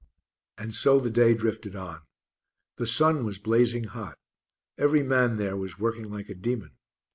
And so the day drifted on. The sun was blazing hot; every man there was working like a demon.